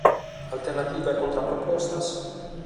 Alternativa e contrapropostas?